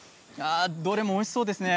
どれもおいしそうですね。